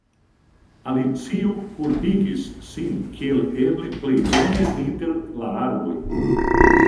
Alicio kurbigis sin kiel eble plej bone inter la arboj.